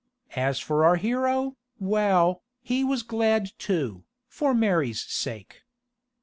As for our hero, well, he was glad too for Mary's sake.